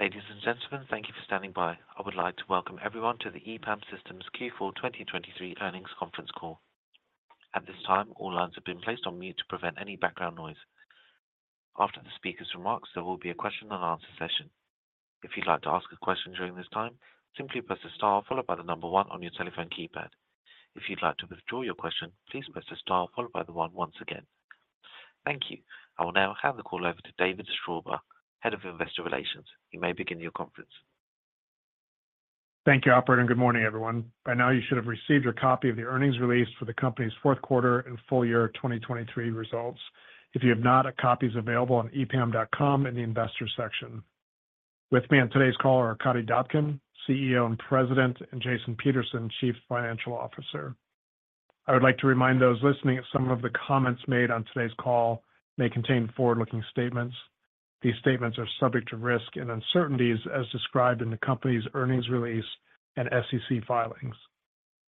Ladies and gentlemen, thank you for standing by. I would like to welcome everyone to the EPAM Systems Q4 2023 earnings conference call. At this time, all lines have been placed on mute to prevent any background noise. After the speaker's remarks, there will be a question and answer session. If you'd like to ask a question during this time, simply press the star followed by the number one on your telephone keypad. If you'd like to withdraw your question, please press the star followed by the one once again. Thank you. I will now hand the call over to David Straube, Head of Investor Relations. You may begin your conference. Thank you, operator, and good morning, everyone. By now, you should have received your copy of the earnings release for the company's fourth quarter and full year 2023 results. If you have not, a copy is available on epam.com in the Investors section. With me on today's call are Arkadiy Dobkin, CEO and President, and Jason Peterson, Chief Financial Officer. I would like to remind those listening that some of the comments made on today's call may contain forward-looking statements. These statements are subject to risks and uncertainties as described in the company's earnings release and SEC filings.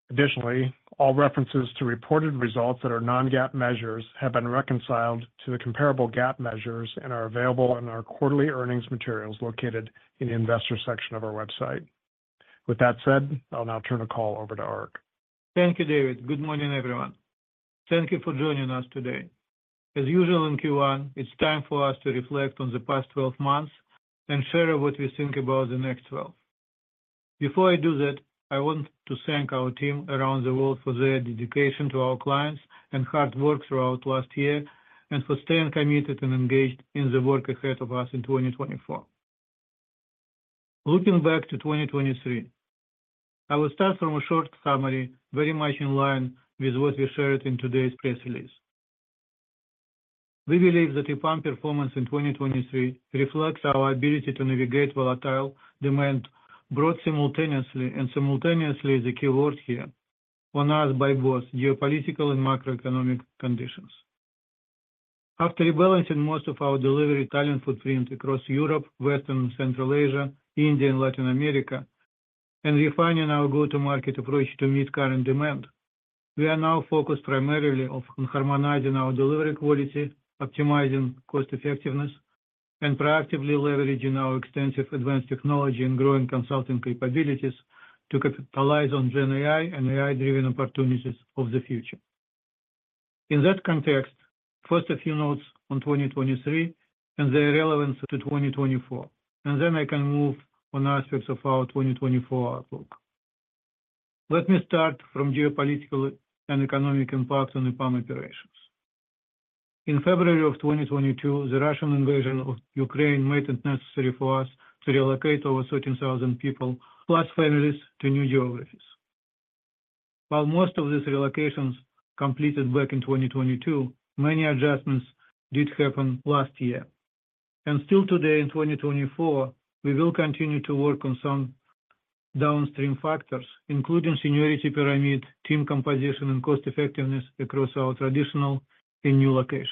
Additionally, all references to reported results that are non-GAAP measures have been reconciled to the comparable GAAP measures and are available in our quarterly earnings materials located in the Investor section of our website. With that said, I'll now turn the call over to Ark. Thank you, David. Good morning, everyone. Thank you for joining us today. As usual, in Q1, it's time for us to reflect on the past 12 months and share what we think about the next 12. Before I do that, I want to thank our team around the world for their dedication to our clients and hard work throughout last year, and for staying committed and engaged in the work ahead of us in 2024. Looking back to 2023, I will start from a short summary, very much in line with what we shared in today's press release. We believe that EPAM performance in 2023 reflects our ability to navigate volatile demand, brought simultaneously, and simultaneously is the key word here, on us by both geopolitical and macroeconomic conditions. After rebalancing most of our delivery talent footprint across Europe, Western and Central Asia, India and Latin America, and refining our go-to-market approach to meet current demand, we are now focused primarily on harmonizing our delivery quality, optimizing cost effectiveness, and proactively leveraging our extensive advanced technology and growing consulting capabilities to capitalize on GenAI and AI-driven opportunities of the future. In that context, first, a few notes on 2023 and their relevance to 2024, and then I can move on aspects of our 2024 outlook. Let me start from geopolitical and economic impacts on EPAM operations. In February of 2022, the Russian invasion of Ukraine made it necessary for us to relocate over 13,000 people, plus families, to new geographies. While most of these relocations completed back in 2022, many adjustments did happen last year. Still today, in 2024, we will continue to work on some downstream factors, including seniority pyramid, team composition, and cost effectiveness across our traditional and new locations.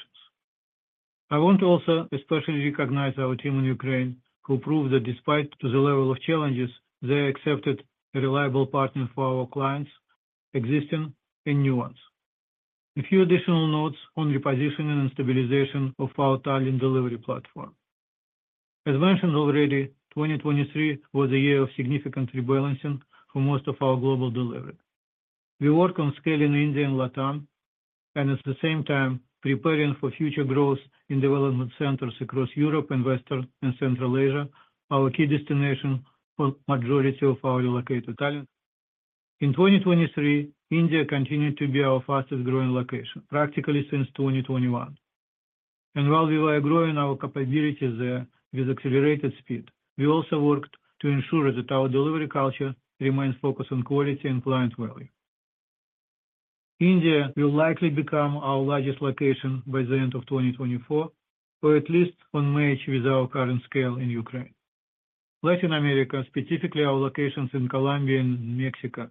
I want to also especially recognize our team in Ukraine, who proved that despite the level of challenges, they accepted a reliable partner for our clients, existing and new ones. A few additional notes on repositioning and stabilization of our talent delivery platform. As mentioned already, 2023 was a year of significant rebalancing for most of our global delivery. We work on scaling India and LATAM, and at the same time preparing for future growth in development centers across Europe and Western and Central Asia, our key destination for majority of our relocated talent. In 2023, India continued to be our fastest-growing location, practically since 2021. While we were growing our capabilities there with accelerated speed, we also worked to ensure that our delivery culture remains focused on quality and client value. India will likely become our largest location by the end of 2024, or at least on par with our current scale in Ukraine. Latin America, specifically our locations in Colombia and Mexico,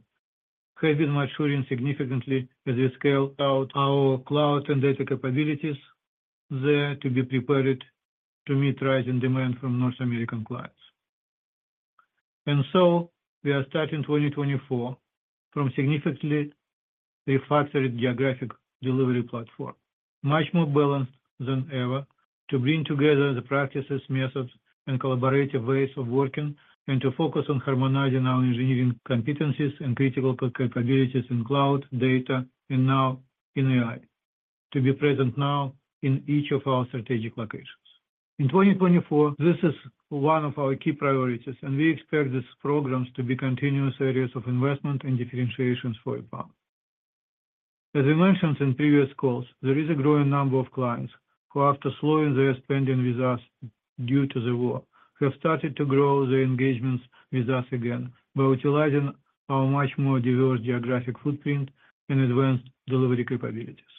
have been maturing significantly as we scale out our cloud and data capabilities there to be prepared to meet rising demand from North American clients. So we are starting 2024 from a significantly refactored geographic delivery platform, much more balanced than ever to bring together the practices, methods, and collaborative ways of working, and to focus on harmonizing our engineering competencies and critical capabilities in cloud, data, and now in AI, to be present now in each of our strategic locations. In 2024, this is one of our key priorities, and we expect these programs to be continuous areas of investment and differentiations for EPAM. As I mentioned in previous calls, there is a growing number of clients who, after slowing their spending with us due to the war, have started to grow their engagements with us again by utilizing our much more diverse geographic footprint and advanced delivery capabilities.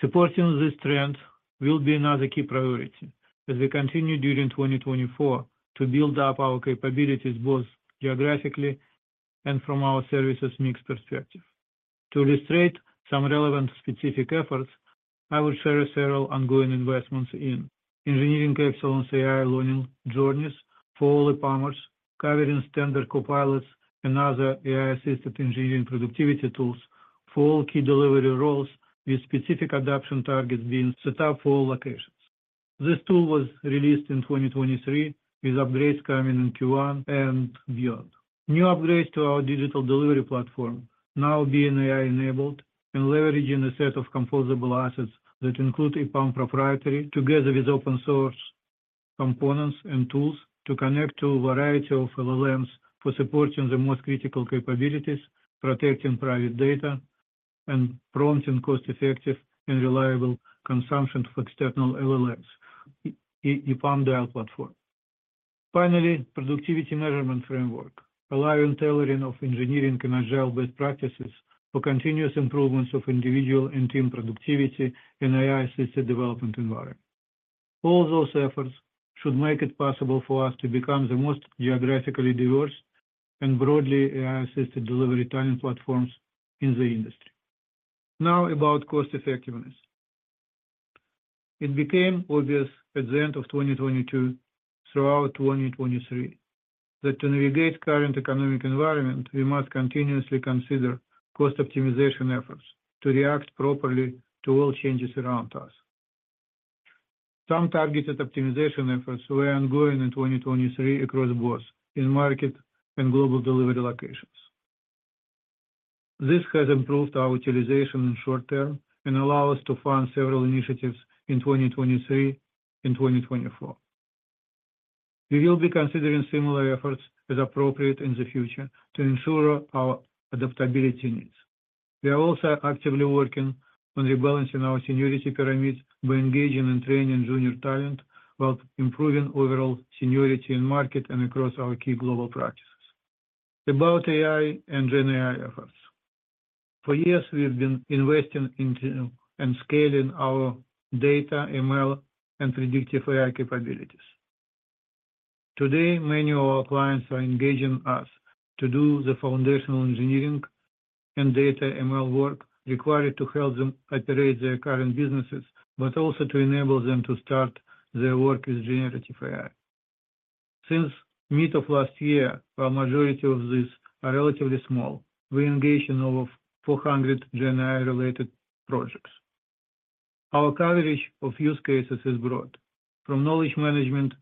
Supporting this trend will be another key priority as we continue during 2024 to build up our capabilities, both geographically and from our services mix perspective. To illustrate some relevant specific efforts, I will share several ongoing investments in engineering excellence AI learning journeys for all EPAMers, covering standard Copilots and other AI-assisted engineering productivity tools for all key delivery roles, with specific adoption targets being set up for all locations. This tool was released in 2023, with upgrades coming in Q1 and beyond. New upgrades to our digital delivery platform now being AI-enabled and leveraging a set of composable assets that include EPAM proprietary, together with open source components and tools to connect to a variety of LLMs for supporting the most critical capabilities, protecting private data, and prompting cost-effective and reliable consumption of external LLMs in EPAM DIAL platform. Finally, productivity measurement framework, allowing tailoring of engineering and agile best practices for continuous improvements of individual and team productivity in AI-assisted development environment. All those efforts should make it possible for us to become the most geographically diverse and broadly AI-assisted delivery talent platforms in the industry. Now, about cost effectiveness. It became obvious at the end of 2022 throughout 2023, that to navigate current economic environment, we must continuously consider cost optimization efforts to react properly to all changes around us. Some targeted optimization efforts were ongoing in 2023 across both in market and global delivery locations. This has improved our utilization in short term and allow us to fund several initiatives in 2023 and 2024. We will be considering similar efforts as appropriate in the future to ensure our adaptability needs. We are also actively working on rebalancing our seniority pyramid by engaging and training junior talent, while improving overall seniority in market and across our key global practices. About AI and GenAI efforts. For years, we have been investing into and scaling our data, ML, and predictive AI capabilities. Today, many of our clients are engaging us to do the foundational engineering and data ML work required to help them operate their current businesses, but also to enable them to start their work with generative AI. Since mid of last year, while majority of these are relatively small, we engaged in over 400 GenAI-related projects. Our coverage of use cases is broad, from knowledge management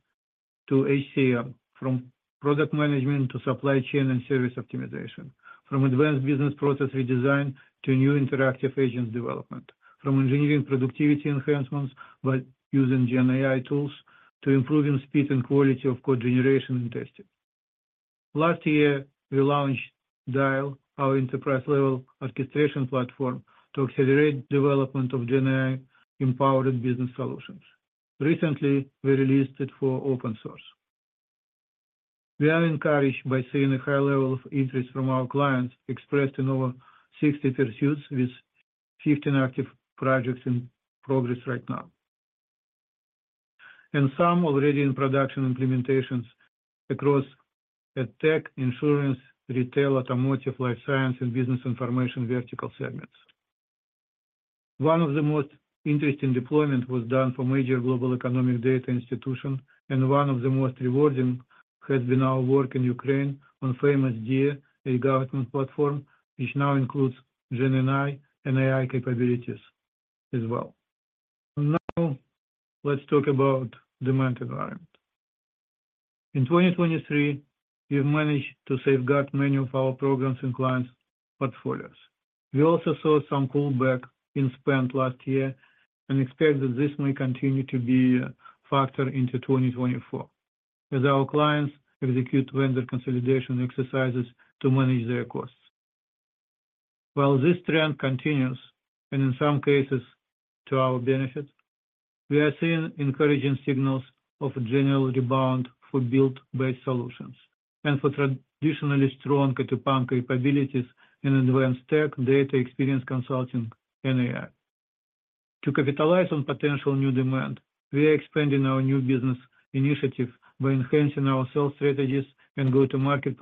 to HCM, from product management to supply chain and service optimization, from advanced business process redesign to new interactive agent development, from engineering productivity enhancements by using GenAI tools, to improving speed and quality of code generation and testing. Last year, we launched DIAL, our enterprise-level orchestration platform, to accelerate development of GenAI-empowered business solutions. Recently, we released it for open source. We are encouraged by seeing a high level of interest from our clients, expressed in over 60 pursuits, with 15 active projects in progress right now. Some already in production implementations across edtech, insurance, retail, automotive, life science, and business information vertical segments. One of the most interesting deployment was done for major global economic data institution, and one of the most rewarding has been our work in Ukraine on famous Diia, a government platform which now includes GenAI and AI capabilities as well. Now, let's talk about demand environment. In 2023, we've managed to safeguard many of our programs and clients' portfolios. We also saw some pullback in spend last year, and expect that this may continue to be a factor into 2024, as our clients execute vendor consolidation exercises to manage their costs. While this trend continues, and in some cases to our benefit, we are seeing encouraging signals of a general rebound for build-based solutions and for traditionally strong EPAM capabilities in advanced tech, data experience consulting, and AI. To capitalize on potential new demand, we are expanding our new business initiative by enhancing our sales strategies and go-to-market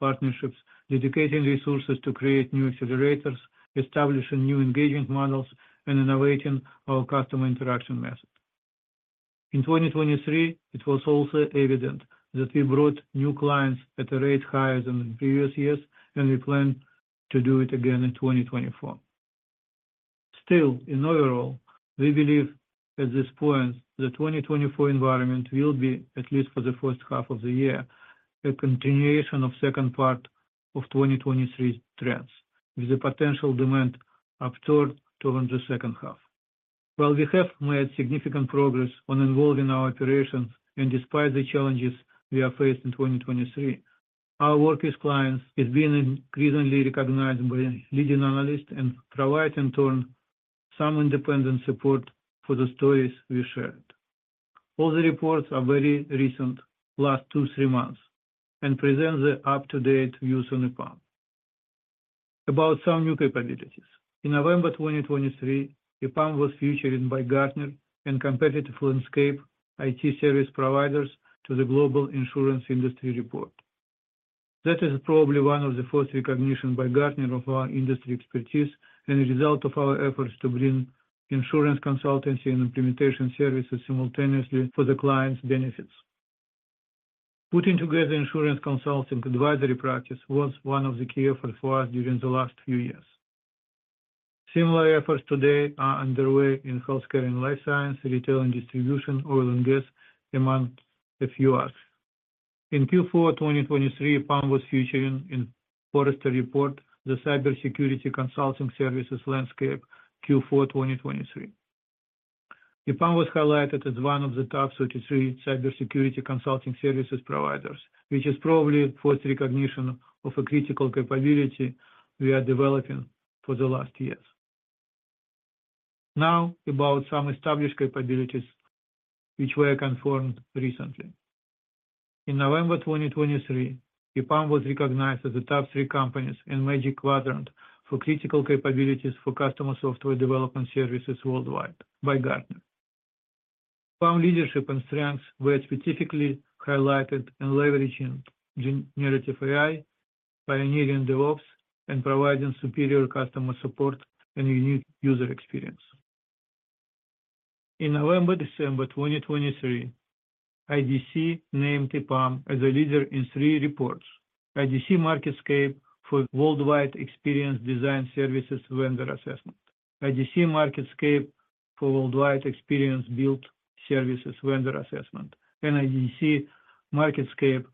partnerships, dedicating resources to create new accelerators, establishing new engagement models, and innovating our customer interaction methods. In 2023, it was also evident that we brought new clients at a rate higher than in previous years, and we plan to do it again in 2024. Still, overall, we believe at this point, the 2024 environment will be, at least for the first half of the year, a continuation of second part of 2023 trends, with the potential demand upturn toward the second half. While we have made significant progress on evolving our operations, and despite the challenges we have faced in 2023, our work with clients is being increasingly recognized by leading analysts, and provide in turn, some independent support for the stories we shared. All the reports are very recent, last two, three months, and present the up-to-date views on EPAM. About some new capabilities. In November 2023, EPAM was featured by Gartner in Competitive Landscape: IT Service Providers to the Global Insurance Industry Report. That is probably one of the first recognition by Gartner of our industry expertise, and a result of our efforts to bring insurance consultancy and implementation services simultaneously for the clients' benefits. Putting together insurance consulting advisory practice was one of the key efforts for us during the last few years. Similar efforts today are underway in healthcare and life science, retail and distribution, oil and gas, among a few others. In Q4 2023, EPAM was featured in Forrester report, the cybersecurity consulting services landscape Q4 2023. EPAM was highlighted as one of the top 33 cybersecurity consulting services providers, which is probably first recognition of a critical capability we are developing for the last years. Now, about some established capabilities which were confirmed recently. In November 2023, EPAM was recognized as a top three companies in Magic Quadrant for Critical Capabilities for Custom Software Development Services Worldwide by Gartner. EPAM leadership and strengths were specifically highlighted in leveraging generative AI, pioneering DevOps, and providing superior customer support and unique user experience. In November, December 2023, IDC named EPAM as a leader in three reports: IDC MarketScape for Worldwide Experience Design Services Vendor Assessment, IDC MarketScape for Worldwide Experience Build Services Vendor Assessment, and IDC MarketScape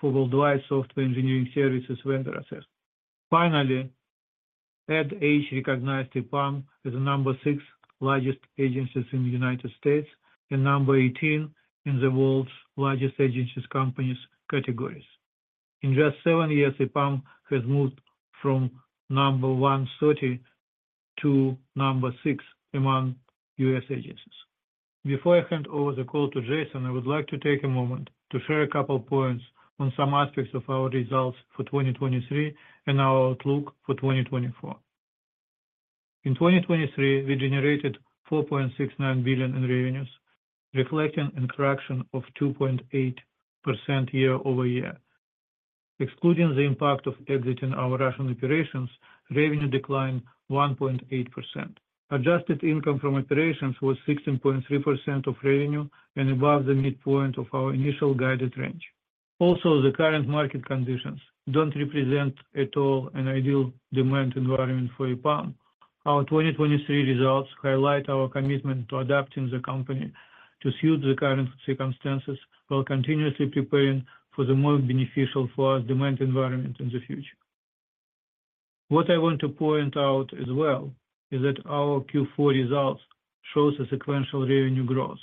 for Worldwide Software Engineering Services Vendor Assessment. Finally, Ad Age recognized EPAM as the number six largest agencies in the United States and number 18 in the world's largest agencies companies categories. In just seven years, EPAM has moved from number 130 to number six among U.S. agencies. Before I hand over the call to Jason, I would like to take a moment to share a couple of points on some aspects of our results for 2023 and our outlook for 2024. In 2023, we generated $4.69 billion in revenues, reflecting a correction of 2.8% year-over-year. Excluding the impact of exiting our Russian operations, revenue declined 1.8%. Adjusted income from operations was 16.3% of revenue and above the midpoint of our initial guided range. Also, the current market conditions don't represent at all an ideal demand environment for EPAM. Our 2023 results highlight our commitment to adapting the company to suit the current circumstances, while continuously preparing for the more beneficial for us demand environment in the future. What I want to point out as well is that our Q4 results shows a sequential revenue growth,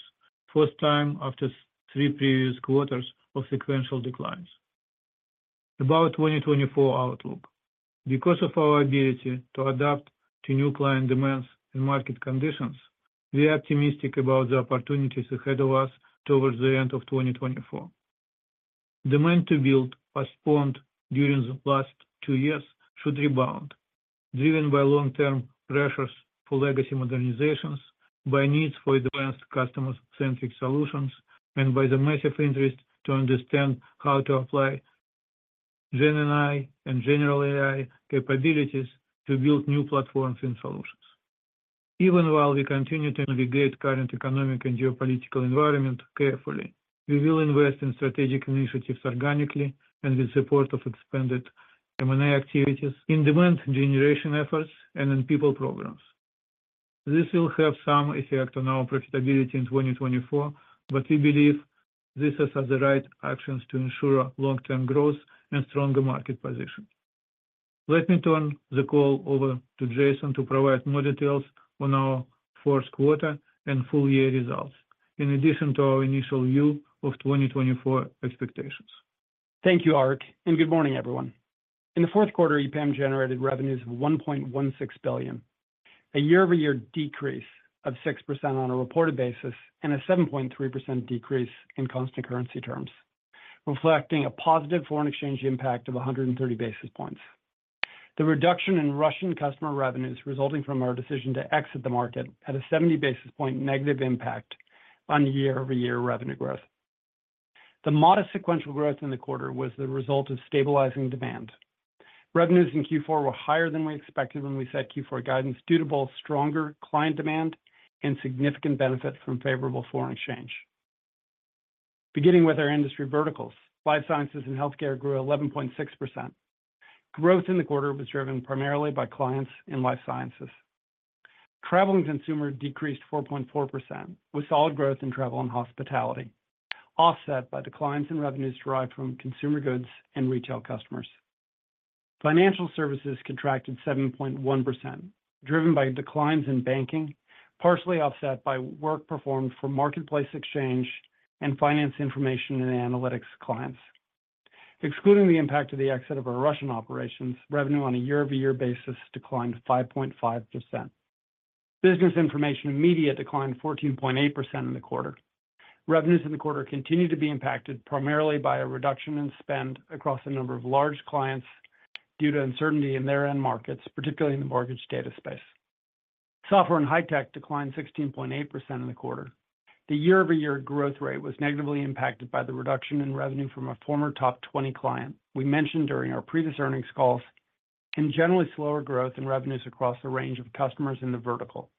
first time after three previous quarters of sequential declines. About 2024 outlook. Because of our ability to adapt to new client demands and market conditions, we are optimistic about the opportunities ahead of us towards the end of 2024. Demand to build postponed during the last two years should rebound, driven by long-term pressures for legacy modernizations, by needs for advanced customer-centric solutions, and by the massive interest to understand how to apply GenAI and general AI capabilities to build new platforms and solutions. Even while we continue to navigate current economic and geopolitical environment carefully, we will invest in strategic initiatives organically and with support of expanded M&A activities in demand generation efforts and in people programs. This will have some effect on our profitability in 2024, but we believe this is the right actions to ensure long-term growth and stronger market position. Let me turn the call over to Jason to provide more details on our fourth quarter and full year results, in addition to our initial view of 2024 expectations. Thank you, Ark, and good morning, everyone. In the fourth quarter, EPAM generated revenues of $1.16 billion, a year-over-year decrease of 6% on a reported basis, and a 7.3% decrease in constant currency terms, reflecting a positive foreign exchange impact of 130 basis points. The reduction in Russian customer revenues resulting from our decision to exit the market had a 70 basis points negative impact on year-over-year revenue growth. The modest sequential growth in the quarter was the result of stabilizing demand. Revenues in Q4 were higher than we expected when we set Q4 guidance, due to both stronger client demand and significant benefits from favorable foreign exchange. Beginning with our industry verticals, life sciences and healthcare grew 11.6%. Growth in the quarter was driven primarily by clients in life sciences. Travel and consumer decreased 4.4%, with solid growth in travel and hospitality, offset by declines in revenues derived from consumer goods and retail customers. Financial services contracted 7.1%, driven by declines in banking, partially offset by work performed for marketplace exchange and finance information and analytics clients. Excluding the impact of the exit of our Russian operations, revenue on a year-over-year basis declined 5.5%. Business information and media declined 14.8% in the quarter. Revenues in the quarter continued to be impacted primarily by a reduction in spend across a number of large clients due to uncertainty in their end markets, particularly in the mortgage data space. Software and high tech declined 16.8% in the quarter. The year-over-year growth rate was negatively impacted by the reduction in revenue from a former top 20 client we mentioned during our previous earnings calls, and generally slower growth in revenues across a range of customers in the vertical.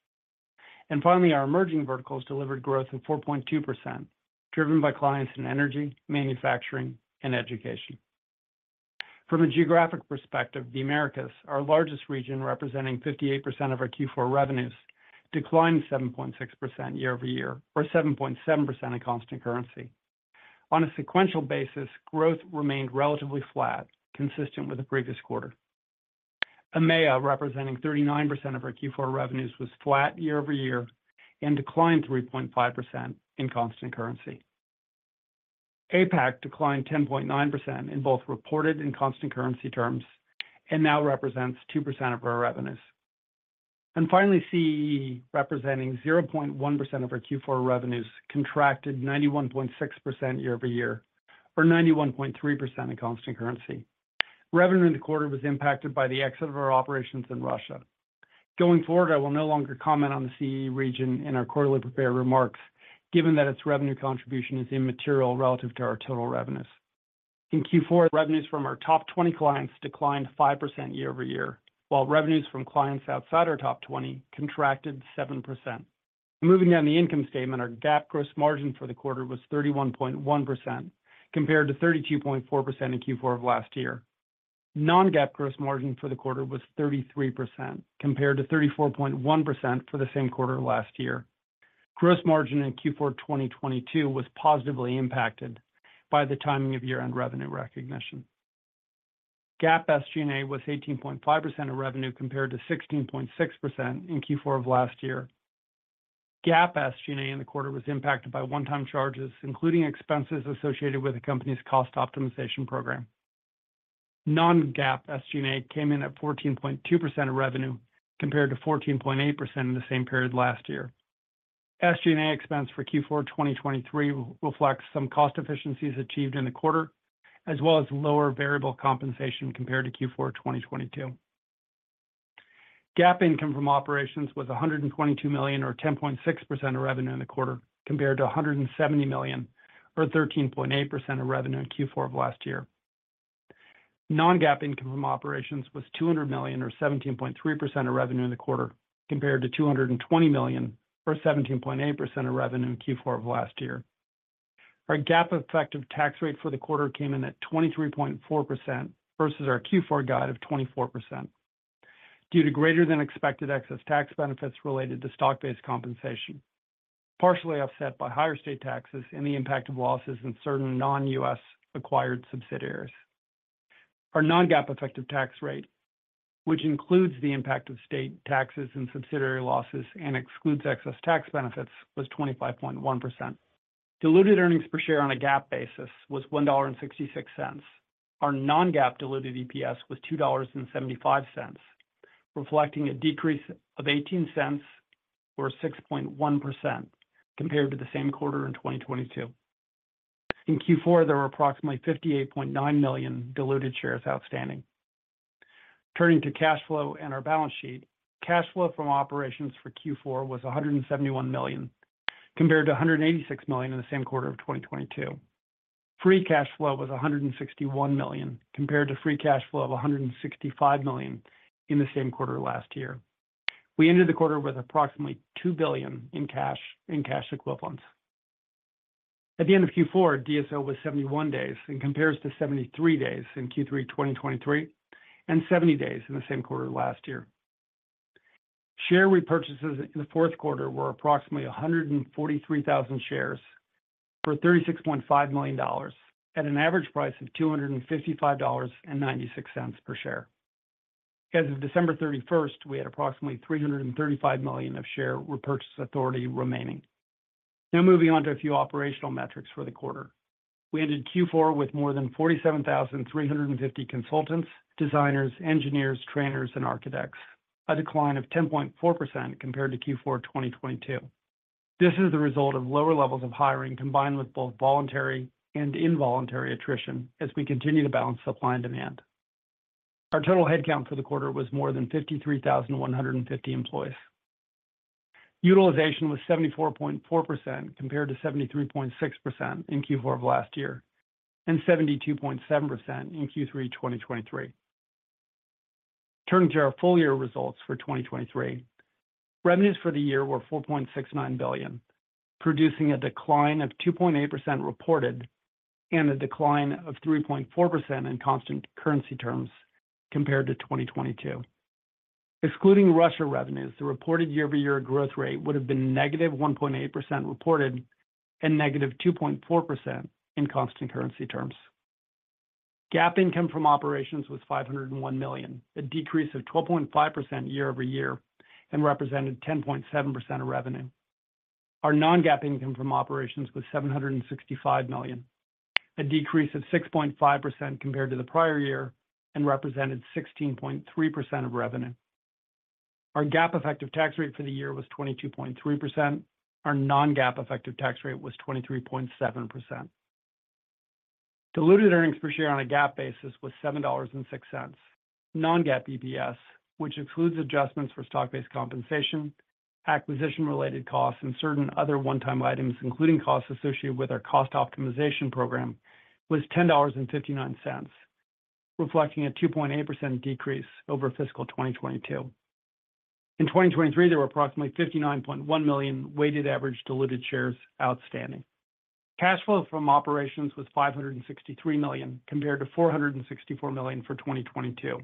Finally, our emerging verticals delivered growth of 4.2%, driven by clients in energy, manufacturing, and education. From a geographic perspective, the Americas, our largest region, representing 58% of our Q4 revenues, declined 7.6% year-over-year or 7.7% in constant currency. On a sequential basis, growth remained relatively flat, consistent with the previous quarter. EMEA, representing 39% of our Q4 revenues, was flat year-over-year and declined 3.5% in constant currency. APAC declined 10.9% in both reported and constant currency terms and now represents 2% of our revenues. Finally, CEE, representing 0.1% of our Q4 revenues, contracted 91.6% year-over-year or 91.3% in constant currency. Revenue in the quarter was impacted by the exit of our operations in Russia. Going forward, I will no longer comment on the CEE region in our quarterly prepared remarks, given that its revenue contribution is immaterial relative to our total revenues. In Q4, revenues from our top 20 clients declined 5% year-over-year, while revenues from clients outside our top 20 contracted 7%. Moving down the income statement, our GAAP gross margin for the quarter was 31.1%, compared to 32.4% in Q4 of last year. Non-GAAP gross margin for the quarter was 33%, compared to 34.1% for the same quarter last year. Gross margin in Q4 2022 was positively impacted by the timing of year-end revenue recognition. GAAP SG&A was 18.5% of revenue, compared to 16.6% in Q4 of last year. GAAP SG&A in the quarter was impacted by one-time charges, including expenses associated with the company's cost optimization program. Non-GAAP SG&A came in at 14.2% of revenue, compared to 14.8% in the same period last year. SG&A expense for Q4 2023 reflects some cost efficiencies achieved in the quarter, as well as lower variable compensation compared to Q4 2022. GAAP income from operations was $122 million or 10.6% of revenue in the quarter, compared to $170 million or 13.8% of revenue in Q4 of last year. Non-GAAP income from operations was $200 million or 17.3% of revenue in the quarter, compared to $220 million or 17.8% of revenue in Q4 of last year. Our GAAP effective tax rate for the quarter came in at 23.4% versus our Q4 guide of 24%, due to greater than expected excess tax benefits related to stock-based compensation, partially offset by higher state taxes and the impact of losses in certain non-U.S. acquired subsidiaries. Our non-GAAP effective tax rate, which includes the impact of state taxes and subsidiary losses and excludes excess tax benefits, was 25.1%. Diluted earnings per share on a GAAP basis was $1.66. Our non-GAAP diluted EPS was $2.75, reflecting a decrease of $0.18 or 6.1% compared to the same quarter in 2022. In Q4, there were approximately 58.9 million diluted shares outstanding. Turning to cash flow and our balance sheet, cash flow from operations for Q4 was $171 million, compared to $186 million in the same quarter of 2022. Free cash flow was $161 million, compared to free cash flow of $165 million in the same quarter last year. We ended the quarter with approximately $2 billion in cash and cash equivalents. At the end of Q4, DSO was 71 days and compares to 73 days in Q3 2023 and 70 days in the same quarter last year. Share repurchases in the fourth quarter were approximately 143,000 shares for $36.5 million at an average price of $255.96 per share. As of December 31st, we had approximately $335 million of share repurchase authority remaining. Now moving on to a few operational metrics for the quarter. We ended Q4 with more than 47,350 consultants, designers, engineers, trainers, and architects, a decline of 10.4% compared to Q4 2022. This is the result of lower levels of hiring, combined with both voluntary and involuntary attrition, as we continue to balance supply and demand. Our total headcount for the quarter was more than 53,150 employees. Utilization was 74.4%, compared to 73.6% in Q4 of last year, and 72.7% in Q3 2023. Turning to our full year results for 2023, revenues for the year were $4.69 billion, producing a decline of 2.8% reported and a decline of 3.4% in constant currency terms compared to 2022. Excluding Russia revenues, the reported year-over-year growth rate would have been -1.8% reported and -2.4% in constant currency terms. GAAP income from operations was $501 million, a decrease of 12.5% year-over-year and represented 10.7% of revenue. Our non-GAAP income from operations was $765 million, a decrease of 6.5% compared to the prior year and represented 16.3% of revenue. Our GAAP effective tax rate for the year was 22.3%. Our non-GAAP effective tax rate was 23.7%. Diluted earnings per share on a GAAP basis was $7.06. Non-GAAP EPS, which includes adjustments for stock-based compensation, acquisition-related costs, and certain other one-time items, including costs associated with our cost optimization program, was $10.59.... reflecting a 2.8% decrease over fiscal 2022. In 2023, there were approximately 59.1 million weighted average diluted shares outstanding. Cash flow from operations was $563 million, compared to $464 million for 2022,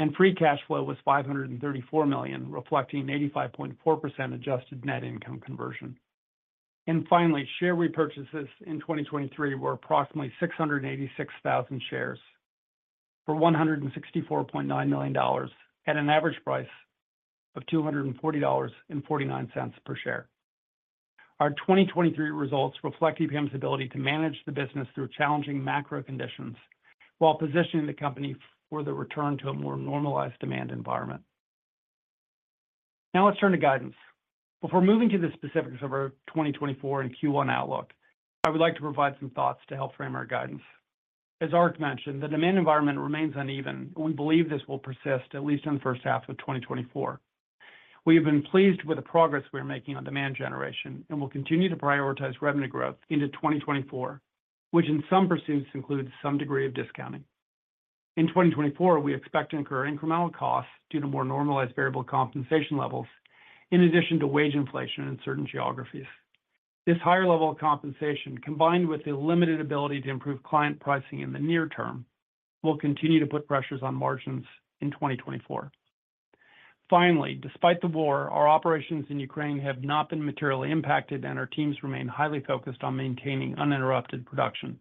and free cash flow was $534 million, reflecting 85.4% adjusted net income conversion. And finally, share repurchases in 2023 were approximately 686,000 shares for $164.9 million at an average price of $240.49 per share. Our 2023 results reflect EPAM's ability to manage the business through challenging macro conditions, while positioning the company for the return to a more normalized demand environment. Now let's turn to guidance. Before moving to the specifics of our 2024 and Q1 outlook, I would like to provide some thoughts to help frame our guidance. As Ark mentioned, the demand environment remains uneven, and we believe this will persist at least in the first half of 2024. We have been pleased with the progress we are making on demand generation, and will continue to prioritize revenue growth into 2024, which in some pursuits includes some degree of discounting. In 2024, we expect to incur incremental costs due to more normalized variable compensation levels, in addition to wage inflation in certain geographies. This higher level of compensation, combined with the limited ability to improve client pricing in the near term, will continue to put pressures on margins in 2024. Finally, despite the war, our operations in Ukraine have not been materially impacted, and our teams remain highly focused on maintaining uninterrupted production.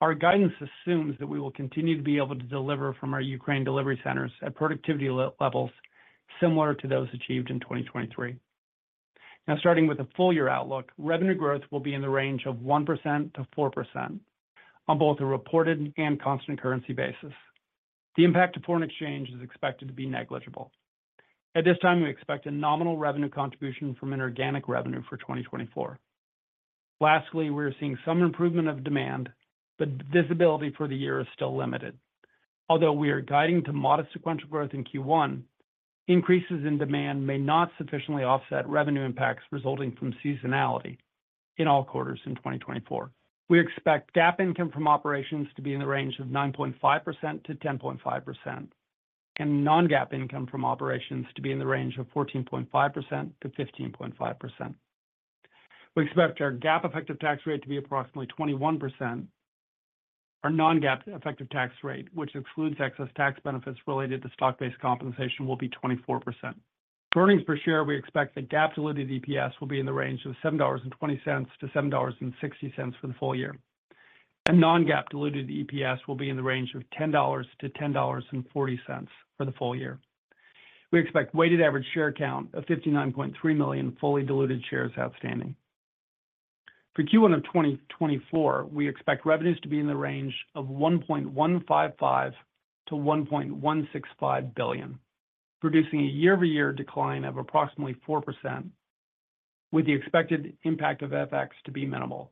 Our guidance assumes that we will continue to be able to deliver from our Ukraine delivery centers at productivity levels similar to those achieved in 2023. Now, starting with a full year outlook, revenue growth will be in the range of 1%-4% on both a reported and constant currency basis. The impact of foreign exchange is expected to be negligible. At this time, we expect a nominal revenue contribution from an organic revenue for 2024. Lastly, we are seeing some improvement of demand, but visibility for the year is still limited. Although we are guiding to modest sequential growth in Q1, increases in demand may not sufficiently offset revenue impacts resulting from seasonality in all quarters in 2024. We expect GAAP income from operations to be in the range of 9.5%-10.5%, and non-GAAP income from operations to be in the range of 14.5%-15.5%. We expect our GAAP effective tax rate to be approximately 21%. Our non-GAAP effective tax rate, which excludes excess tax benefits related to stock-based compensation, will be 24%. Earnings per share, we expect that GAAP diluted EPS will be in the range of $7.20-$7.60 for the full year, and non-GAAP diluted EPS will be in the range of $10.00-$10.40 for the full year. We expect weighted average share count of 59.3 million fully diluted shares outstanding. For Q1 of 2024, we expect revenues to be in the range of $1.155 billion-$1.165 billion, producing a year-over-year decline of approximately 4%, with the expected impact of FX to be minimal.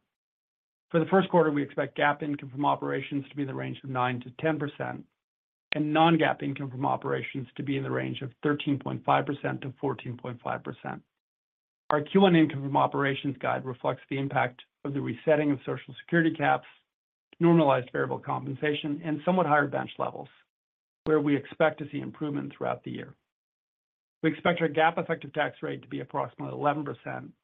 For the first quarter, we expect GAAP income from operations to be in the range of 9%-10%, and non-GAAP income from operations to be in the range of 13.5%-14.5%. Our Q1 income from operations guide reflects the impact of the resetting of Social Security caps, normalized variable compensation, and somewhat higher bench levels, where we expect to see improvement throughout the year. We expect our GAAP effective tax rate to be approximately 11%,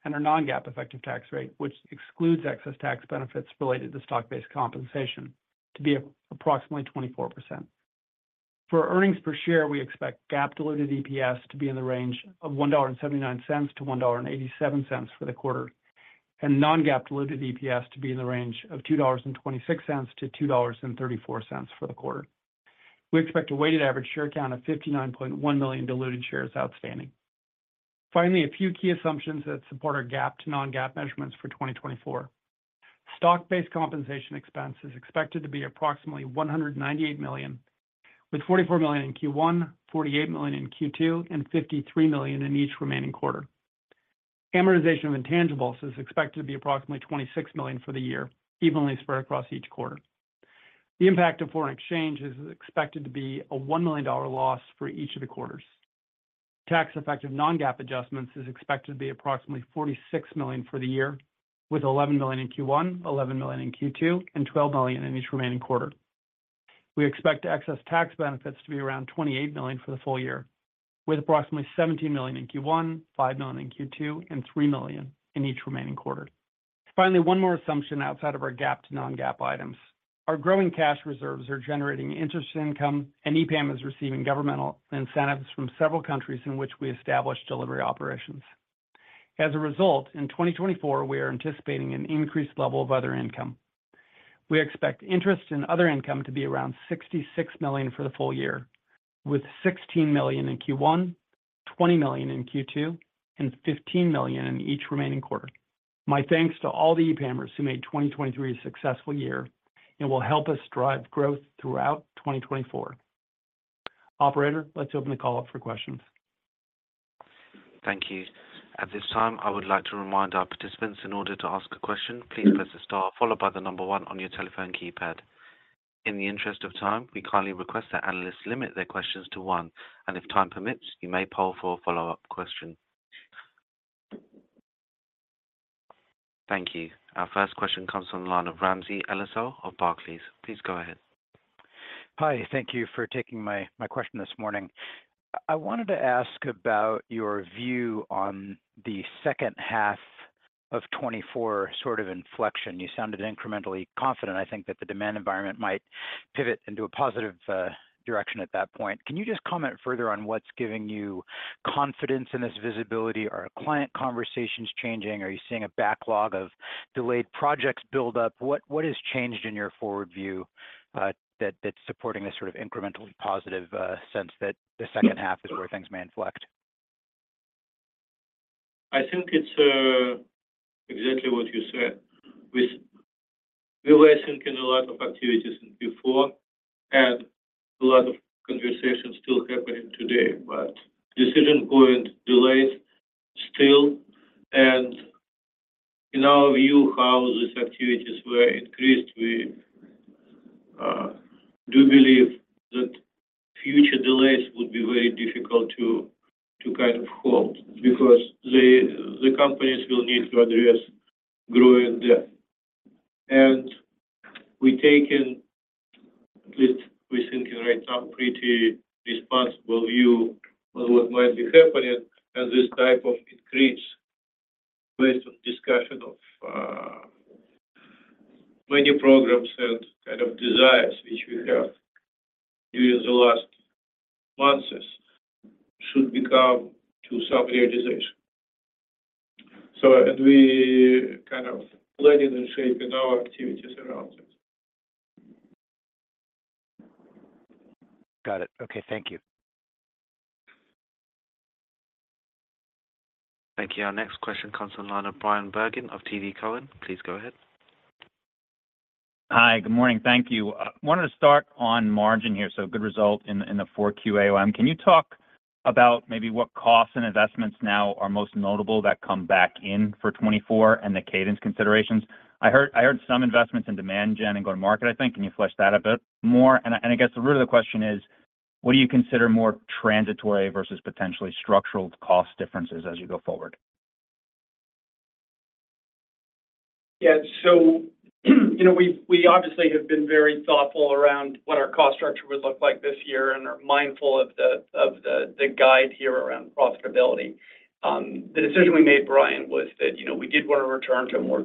and our non-GAAP effective tax rate, which excludes excess tax benefits related to stock-based compensation, to be approximately 24%. For earnings per share, we expect GAAP diluted EPS to be in the range of $1.79-$1.87 for the quarter, and non-GAAP diluted EPS to be in the range of $2.26-$2.34 for the quarter. We expect a weighted average share count of 59.1 million diluted shares outstanding. Finally, a few key assumptions that support our GAAP to non-GAAP measurements for 2024. Stock-based compensation expense is expected to be approximately $198 million, with $44 million in Q1, $48 million in Q2, and $53 million in each remaining quarter. Amortization of intangibles is expected to be approximately $26 million for the year, evenly spread across each quarter. The impact of foreign exchange is expected to be a $1 million loss for each of the quarters. Tax effective non-GAAP adjustments is expected to be approximately $46 million for the year, with $11 million in Q1, $11 million in Q2, and $12 million in each remaining quarter. We expect excess tax benefits to be around $28 million for the full year, with approximately $17 million in Q1, $5 million in Q2, and $3 million in each remaining quarter. Finally, one more assumption outside of our GAAP to non-GAAP items. Our growing cash reserves are generating interest income, and EPAM is receiving governmental incentives from several countries in which we establish delivery operations. As a result, in 2024, we are anticipating an increased level of other income. We expect interest in other income to be around $66 million for the full year, with $16 million in Q1, $20 million in Q2, and $15 million in each remaining quarter. My thanks to all the EPAMers who made 2023 a successful year and will help us drive growth throughout 2024. Operator, let's open the call up for questions. Thank you. At this time, I would like to remind our participants, in order to ask a question, please press star followed by the number one on your telephone keypad. In the interest of time, we kindly request that analysts limit their questions to one, and if time permits, you may poll for a follow-up question. ... Thank you. Our first question comes from the line of Ramsey El-Assal of Barclays. Please go ahead. Hi, thank you for taking my question this morning. I wanted to ask about your view on the second half of 2024 sort of inflection. You sounded incrementally confident. I think that the demand environment might pivot into a positive direction at that point. Can you just comment further on what's giving you confidence in this visibility? Are client conversations changing? Are you seeing a backlog of delayed projects build up? What has changed in your forward view that that's supporting this sort of incrementally positive sense that the second half is where things may inflect? I think it's exactly what you said. We were thinking a lot of activities before, and a lot of conversations still happening today, but decision point delays still. And in our view, how these activities were increased, we do believe that future delays would be very difficult to kind of hold because the companies will need to address growing debt. And we taken, at least we thinking right now, pretty responsible view of what might be happening and this type of increase based on discussion of many programs and kind of desires, which we have during the last months, should become to some realization. So and we kind of planning and shaping our activities around it. Got it. Okay, thank you. Thank you. Our next question comes on the line of Bryan Bergin of TD Cowen. Please go ahead. Hi, good morning. Thank you. Wanted to start on margin here, so good result in the 4Q. Can you talk about maybe what costs and investments now are most notable that come back in for 2024 and the cadence considerations? I heard, I heard some investments in demand gen and go-to-market, I think. Can you flesh that a bit more? And I, and I guess the root of the question is, what do you consider more transitory versus potentially structural cost differences as you go forward? Yeah. So, you know, we obviously have been very thoughtful around what our cost structure would look like this year and are mindful of the guide here around profitability. The decision we made, Bryan, was that, you know, we did want to return to a more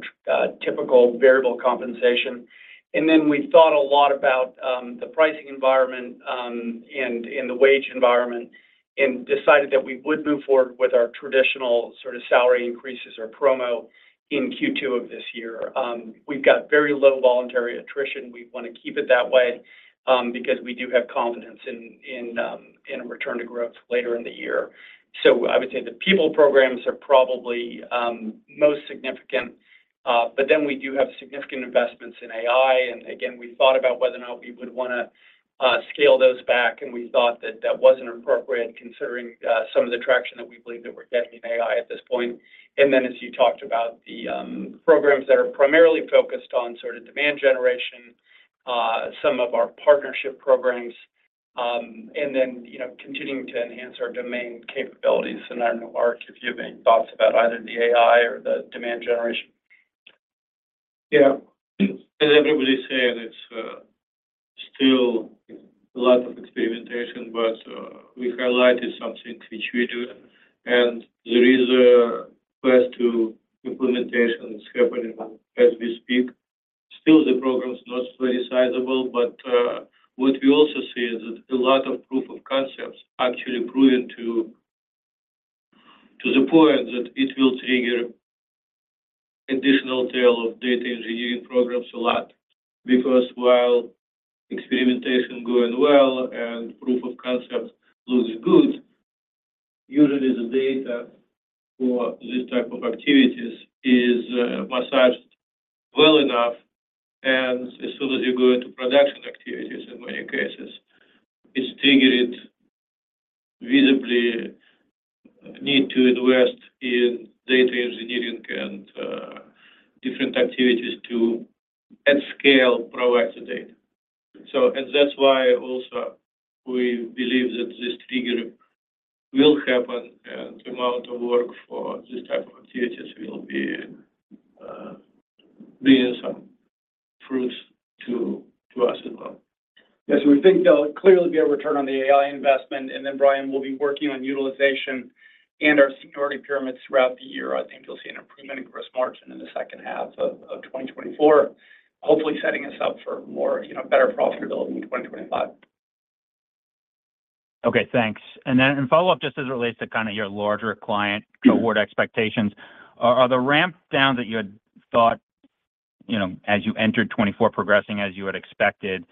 typical variable compensation. Then we thought a lot about the pricing environment and the wage environment and decided that we would move forward with our traditional sort of salary increases or promo in Q2 of this year. We've got very low voluntary attrition. We want to keep it that way because we do have confidence in a return to growth later in the year. So I would say the people programs are probably most significant, but then we do have significant investments in AI. Again, we thought about whether or not we would wanna scale those back, and we thought that that wasn't appropriate, considering some of the traction that we believe that we're getting in AI at this point. Then, as you talked about, the programs that are primarily focused on sort of demand generation, some of our partnership programs, and then, you know, continuing to enhance our domain capabilities. I don't know, Ark, if you have any thoughts about either the AI or the demand generation. Yeah. As everybody said, it's still a lot of experimentation, but we highlighted something which we do, and there is a quest to implementations happening as we speak. Still, the program's not very sizable, but what we also see is that a lot of proof of concepts actually proving to the point that it will trigger additional tail of data engineering programs a lot. Because while experimentation going well and proof of concept looks good, usually the data for this type of activities is massaged well enough, and as soon as you go into production activities, in many cases, it's triggered visibly need to invest in data engineering and different activities to at scale provide the data. And that's why also we believe that this trigger will happen, and the amount of work for this type of activities will be bearing some fruits to us as well. Yes, we think there'll clearly be a return on the AI investment. And then, Bryan, we'll be working on utilization and our seniority pyramids throughout the year. I think you'll see an improvement in gross margin in the second half of 2024, hopefully setting us up for more, you know, better profitability in 2025. Okay, thanks. And then in follow-up, just as it relates to kind of your larger client cohort expectations, are, are the ramp downs that you had thought, you know, as you entered 2024 progressing as you had expected?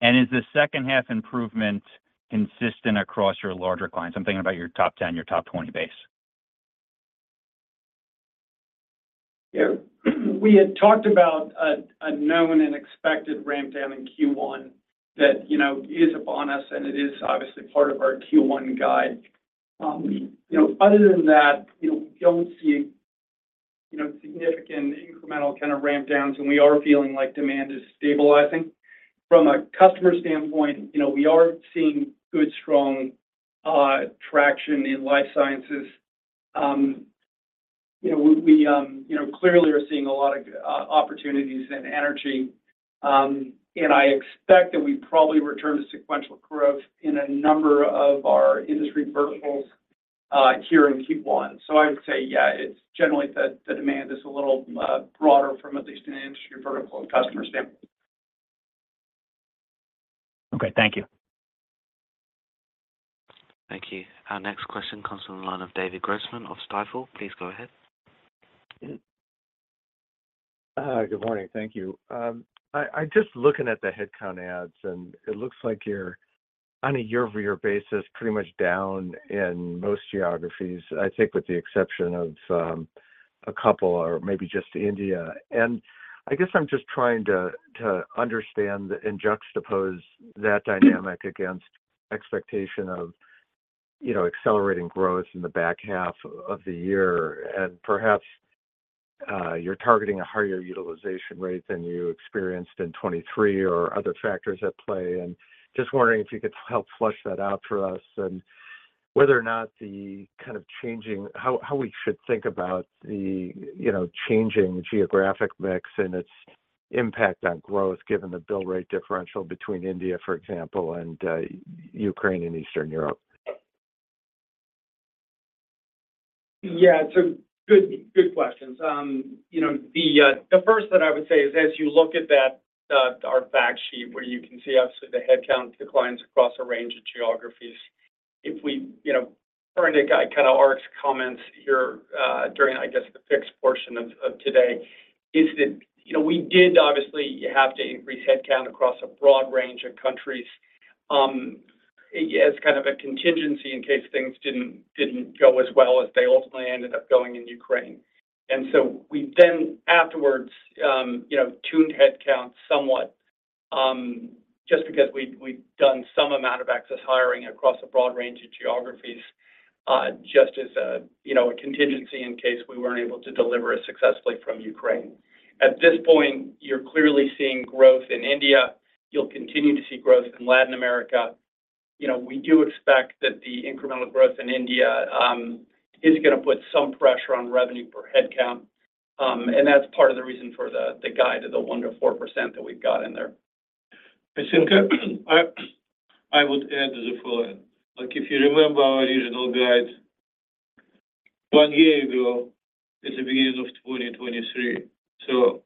And is the second-half improvement consistent across your larger clients? I'm thinking about your top 10, your top 20 base. Yeah. We had talked about a known and expected ramp down in Q1 that, you know, is upon us, and it is obviously part of our Q1 guide. You know, other than that, you know, we don't see, you know, significant incremental kind of ramp downs, and we are feeling like demand is stabilizing. From a customer standpoint, you know, we are seeing good, strong traction in life sciences. You know, we clearly are seeing a lot of opportunities and energy. And I expect that we probably return to sequential growth in a number of our industry verticals, here in Q1. So I would say, yeah, it's generally the demand is a little broader from at least an industry vertical and customer standpoint. Okay, thank you. Thank you. Our next question comes from the line of David Grossman of Stifel. Please go ahead. Good morning. Thank you. I'm just looking at the headcount ads, and it looks like you're, on a year-over-year basis, pretty much down in most geographies, I think with the exception of a couple or maybe just India. And I guess I'm just trying to understand and juxtapose that dynamic against expectation of, you know, accelerating growth in the back half of the year. And perhaps you're targeting a higher utilization rate than you experienced in 2023 or other factors at play, and just wondering if you could help flush that out for us and whether or not the kind of changing... how we should think about the, you know, changing geographic mix and its impact on growth, given the bill rate differential between India, for example, and Ukraine and Eastern Europe. Yeah, it's good questions. You know, the first that I would say is as you look at that, our fact sheet, where you can see obviously the headcount declines across a range of geographies. If we, you know, trying to guide kind of Ark's comments here, during, I guess, the first portion of today, is that, you know, we did obviously have to increase headcount across a broad range of countries, as kind of a contingency in case things didn't go as well as they ultimately ended up going in Ukraine. And so we then afterwards, you know, tuned headcount somewhat, just because we'd done some amount of excess hiring across a broad range of geographies, just as a, you know, a contingency in case we weren't able to deliver it successfully from Ukraine. At this point, you're clearly seeing growth in India. You'll continue to see growth in Latin America. You know, we do expect that the incremental growth in India is gonna put some pressure on revenue per headcount. And that's part of the reason for the guide of the 1%-4% that we've got in there. I think, I would add the following. Like, if you remember our original guide one year ago, at the beginning of 2023, so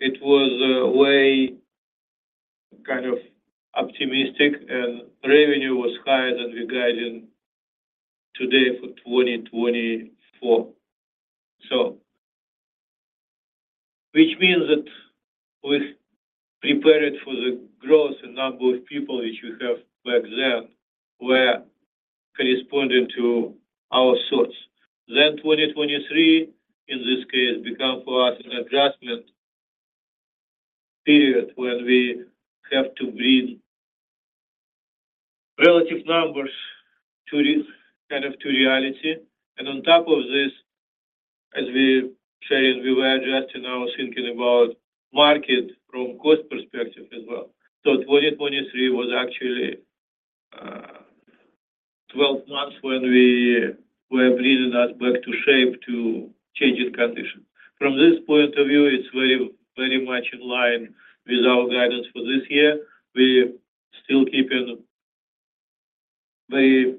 it was a way kind of optimistic, and revenue was higher than our guidance today for 2024. So which means that we prepared for the growth and number of people which we have back then were corresponding to our forecasts. Then 2023, in this case, become for us an adjustment period when we have to bring relative numbers to this, kind of, to reality. And on top of this, as we said, we were adjusting our thinking about market from cost perspective as well. So 2023 was actually, 12 months when we were bringing us back to shape, to changing condition. From this point of view, it's very, very much in line with our guidance for this year. We're still keeping very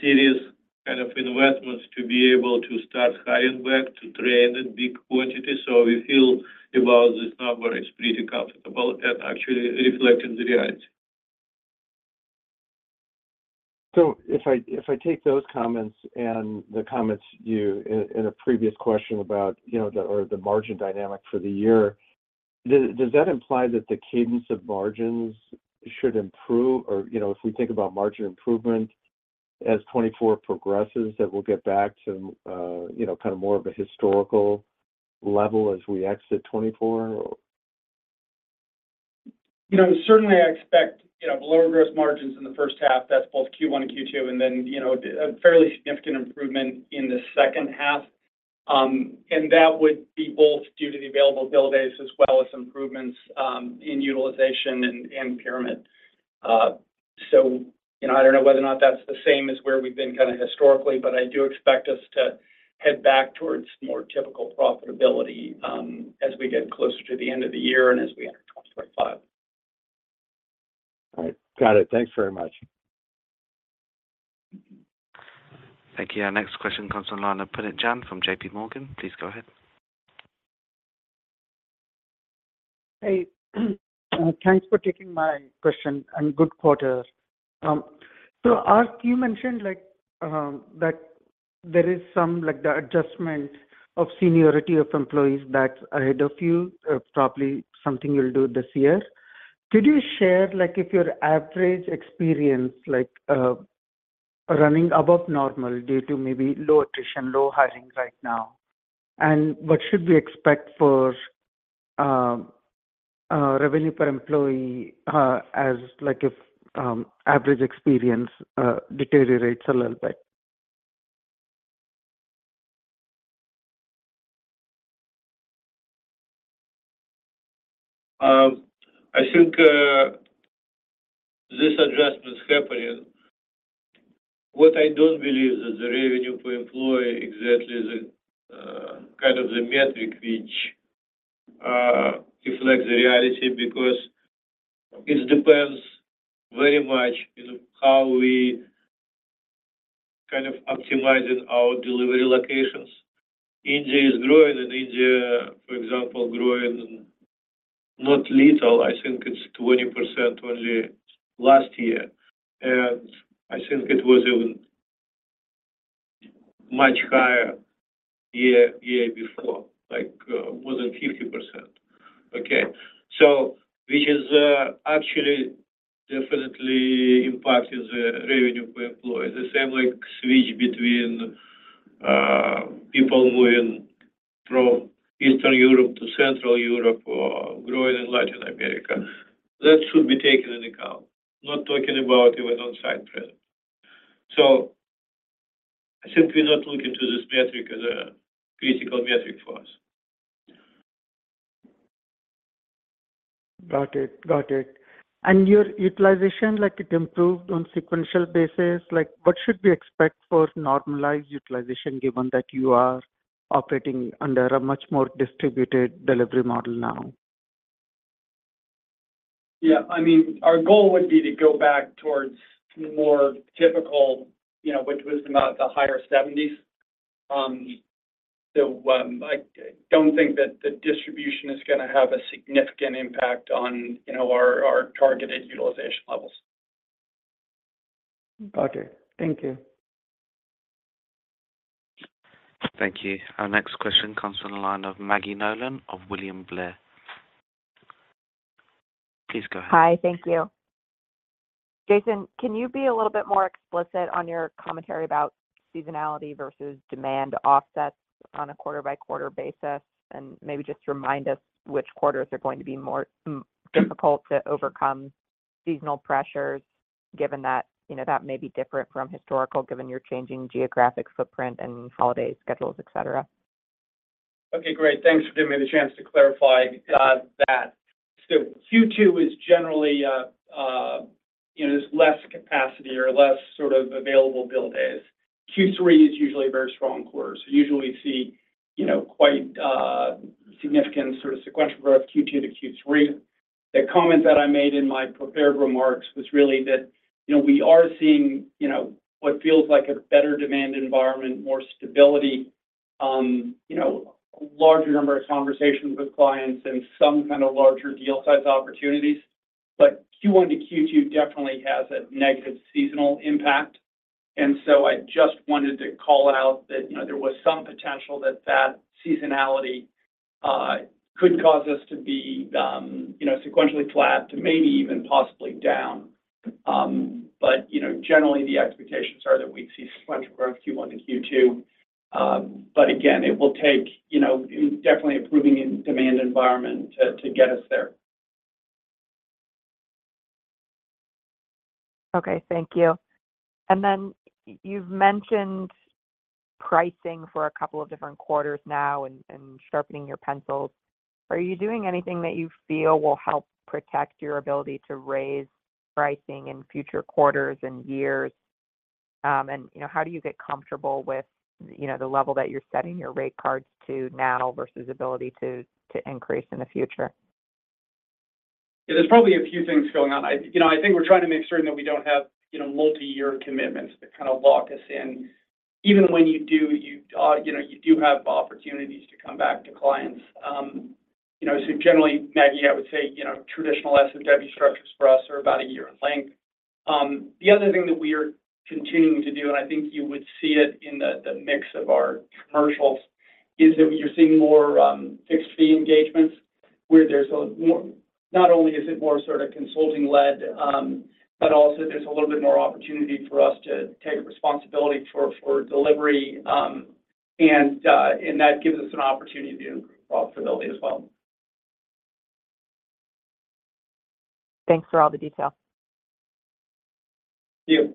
serious kind of investments to be able to start hiring back, to train in big quantities. So we feel about this number is pretty comfortable and actually reflecting the reality. So if I take those comments and the comments you in a previous question about, you know, the margin dynamic for the year, does that imply that the cadence of margins should improve? Or, you know, if we think about margin improvement as 2024 progresses, that we'll get back to, you know, kind of more of a historical level as we exit 2024? You know, certainly I expect, you know, lower gross margins in the first half. That's both Q1 and Q2, and then, you know, a fairly significant improvement in the second half. And that would be both due to the available bill days as well as improvements, in utilization and impairment. So, you know, I don't know whether or not that's the same as where we've been kinda historically, but I do expect us to head back towards more typical profitability, as we get closer to the end of the year and as we enter 2025. All right. Got it. Thanks very much. Thank you. Our next question comes on the line of Puneet Jain from JPMorgan. Please go ahead. Hey, thanks for taking my question and good quarter. So Ark, you mentioned like, that there is some, like, the adjustment of seniority of employees that's ahead of you, probably something you'll do this year. Could you share, like, if your average experience, like, running above normal due to maybe low attrition, low hiring right now, and what should we expect for, revenue per employee, as like if, average experience, deteriorates a little bit?... I think this adjustment is happening. What I don't believe is that the revenue per employee exactly is the kind of the metric which reflects the reality because it depends very much in how we kind of optimizing our delivery locations. India is growing, and India, for example, growing not little, I think it's 20% only last year, and I think it was even much higher year, year before, like more than 50%. Okay? So which is actually definitely impacting the revenue per employee. The same like switch between people moving from Eastern Europe to Central Europe or growing in Latin America. That should be taken into account, not talking about even on-site presence. So I simply not look into this metric as a critical metric for us. Got it. Got it. Your utilization, like, it improved on sequential basis. Like, what should we expect for normalized utilization, given that you are operating under a much more distributed delivery model now? Yeah, I mean, our goal would be to go back towards more typical, you know, which was about the higher seventies. So, I don't think that the distribution is gonna have a significant impact on, you know, our, our targeted utilization levels. Got it. Thank you. Thank you. Our next question comes from the line of Maggie Nolan of William Blair. Please go ahead. Hi. Thank you. Jason, can you be a little bit more explicit on your commentary about seasonality versus demand offsets on a quarter-by-quarter basis? Maybe just remind us which quarters are going to be more difficult to overcome seasonal pressures, given that, you know, that may be different from historical, given your changing geographic footprint and holiday schedules, et cetera. Okay, great. Thanks for giving me the chance to clarify, that. So Q2 is generally, you know, there's less capacity or less sort of available bill days. Q3 is usually a very strong quarter, so usually see, you know, quite, significant sort of sequential growth, Q2 to Q3. The comment that I made in my prepared remarks was really that, you know, we are seeing, you know, what feels like a better demand environment, more stability, you know, larger number of conversations with clients and some kind of larger deal size opportunities. But Q1 to Q2 definitely has a negative seasonal impact, and so I just wanted to call out that, you know, there was some potential that seasonality could cause us to be, you know, sequentially flat to maybe even possibly down. But, you know, generally, the expectations are that we'd see sequential growth Q1 to Q2. But again, it will take, you know, definitely improving in demand environment to get us there. Okay. Thank you. And then you've mentioned pricing for a couple of different quarters now and, and sharpening your pencils. Are you doing anything that you feel will help protect your ability to raise pricing in future quarters and years? And, you know, how do you get comfortable with, you know, the level that you're setting your rate cards to now versus ability to, to increase in the future? Yeah, there's probably a few things going on. I think we're trying to make certain that we don't have, you know, multi-year commitments that kind of lock us in. Even when you do, you, you know, you do have opportunities to come back to clients. You know, so generally, Maggie, I would say, you know, traditional SOW structures for us are about a year in length. The other thing that we are continuing to do, and I think you would see it in the mix of our commercials, is that you're seeing more, fixed-fee engagements, where there's a more, not only is it more sort of consulting-led, but also there's a little bit more opportunity for us to take responsibility for delivery, and that gives us an opportunity to improve profitability as well. Thanks for all the detail. Thank you.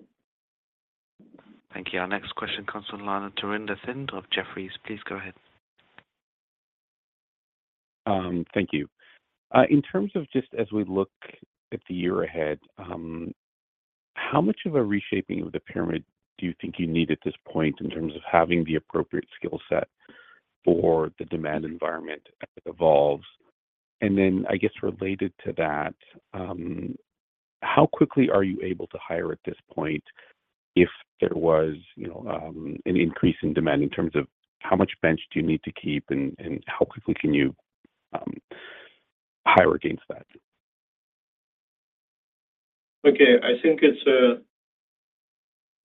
Thank you. Our next question comes from the line of Surinder Thind of Jefferies. Please go ahead. Thank you. In terms of just as we look at the year ahead, how much of a reshaping of the pyramid do you think you need at this point in terms of having the appropriate skill set for the demand environment as it evolves? And then, I guess, related to that, how quickly are you able to hire at this point if there was, you know, an increase in demand in terms of how much bench do you need to keep and, and how quickly can you, hire against that? Okay. I think it's an